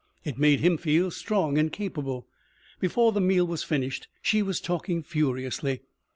It made him feel strong and capable. Before the meal was finished, she was talking furiously.